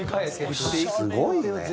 すごいね。